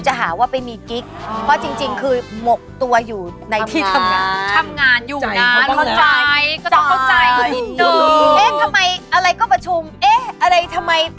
ต่อไปค่ะผู้ที่เกิดในเดือนกุมภาพันธ์